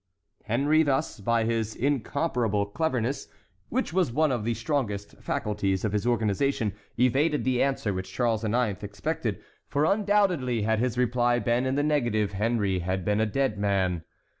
Henry thus, by his incomparable cleverness, which was one of the strongest faculties of his organization, evaded the answer which Charles IX. expected, for undoubtedly had his reply been in the negative Henry had been a dead man.